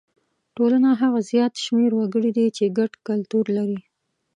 ټولنه هغه زیات شمېر وګړي دي چې ګډ کلتور لري.